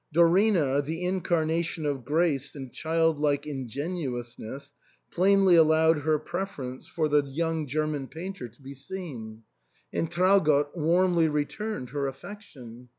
Dorina, the incarnation of grace and child like in genuousness, plainly allowed her preference for the 354 ARTHUR'S HALL. young German painter to be seen. And Traugott warmly returned her affection.